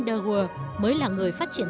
de waal mới là người phát triển